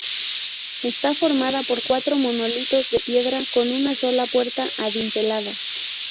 Está formada por cuatro monolitos de piedra con una sola puerta adintelada.